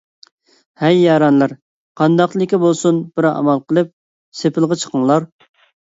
ھەي يارەنلەر! قانداقلىكى بولسۇن بىر ئامال قىلىپ سېپىلغا چىقىڭلار.